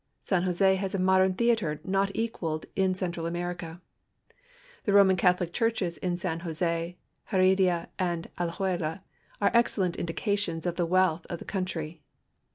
San Jose has a modern theater not equaled in Central America. The Roman Catholic churches in San Jose, Heredia, and Ala juela are excellent indications of the wealth of the countr}'.